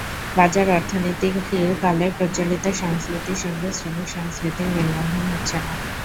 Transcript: বাজার অর্থনীতির কালে প্রচলিত সংস্কৃতির সঙ্গে শ্রমিক সংস্কৃতির মেলবন্ধন হচ্ছে না।